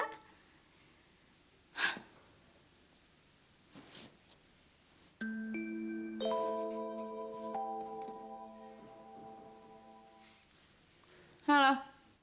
cerita untuk mita